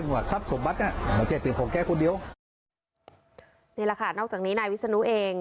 นี่แหละค่ะนอกจากนี้นายวิศนุเอง